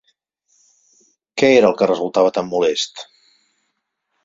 Què era el que resultava tan molest?